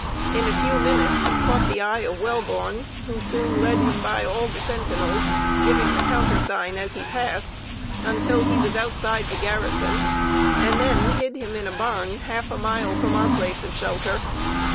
In a few minutes he caught the eye of Welborn, who soon led him by all the sentinels, giving the countersign as he passed, until he was outside the garrison, and then hid him in a barn, half a mile from our place of shelter.